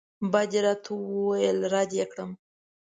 بد یې راته وویل رد یې کړم.